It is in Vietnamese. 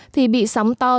thì bị sóng to do lửa